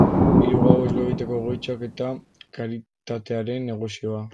Hiru gauez lo egiteko egoitzak eta karitatearen negozioa.